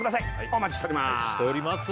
お待ちしております